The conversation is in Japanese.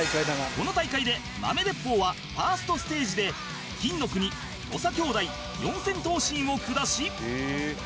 この大会で豆鉄砲はファーストステージで金の国土佐兄弟四千頭身を下し